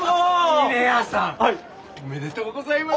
峰屋さんおめでとうございます！